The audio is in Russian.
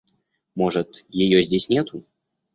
Может, её здесь нету?